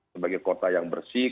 sebagai kota yang bersih